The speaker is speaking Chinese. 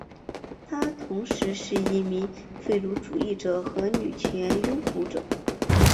他同时是一名废奴主义者和女权拥护者。